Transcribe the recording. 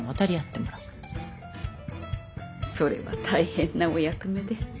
それは大変なお役目で。